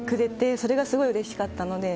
それがすごいうれしかったので。